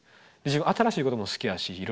自分新しいことも好きやしい